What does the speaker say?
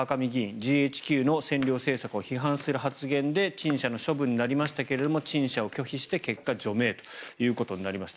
ＧＨＱの占領政策を批判する発言で陳謝の処分になりましたが陳謝を拒否して結果、除名となりました。